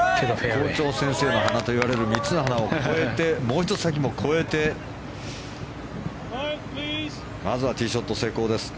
校長先生の鼻といわれる３つの鼻を越えてもう１つ先も越えてまずはティーショット成功です。